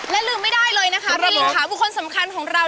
ลืมไม่ได้เลยนะคะประลิงขาบุคคลสำคัญของเรา